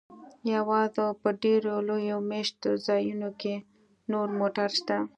یوازې په ډیرو لویو میشت ځایونو کې نور موټر شته